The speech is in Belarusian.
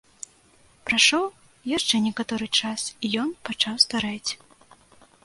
Прайшоў яшчэ некаторы час, і ён пачаў старэць.